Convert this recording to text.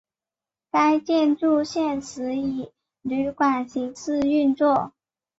该建筑现时以旅馆形式运作。